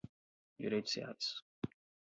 direitos reais